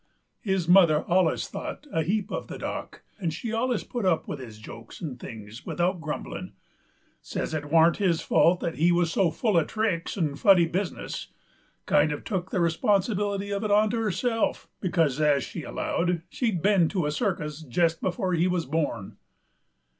His mother allus thought a heap uv the Dock, 'nd she allus put up with his jokes 'nd things without grumblin'; said it warn't his fault that he wuz so full uv tricks 'nd funny business; kind uv took the responsibility uv it onto herself, because, as she allowed, she'd been to a circus jest afore he wuz born.